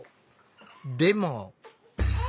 でも。